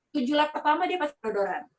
tujuh lap pertama dia pasir odoran